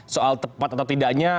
soal tepat atau tidaknya